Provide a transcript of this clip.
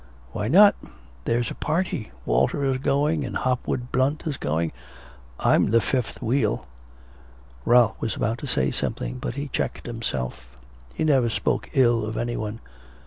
'Why not, there's a party. Walter is going, and Hopwood Blunt is going. I'm the fifth wheel.' Ralph was about to say something, but he checked himself; he never spoke ill of any one.